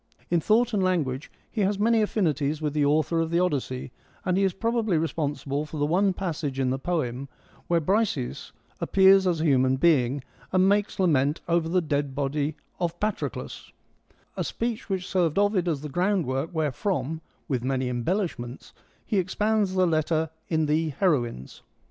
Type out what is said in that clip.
In thought and language he has many affinities with the author of the Odyssey, and he is probably responsible for the one passage in the poem where Briseis appears as a human being, and makes lament over the dead body of Patroclus : a speech which served Ovid as the groundwork wherefrom — with many embel lishments — he expands the letter in ' the Heroines.'